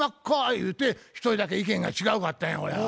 言うて一人だけ意見が違うかったんやこれが。